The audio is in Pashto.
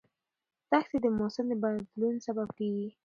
دښتې د موسم د بدلون سبب کېږي.